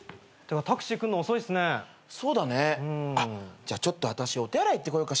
じゃあちょっと私お手洗い行ってこようかしら。